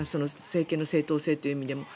政権の正統性という意味でも。